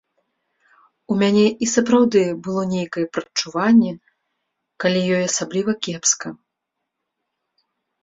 У мяне і сапраўды было нейкае прадчуванне, калі ёй асабліва кепска.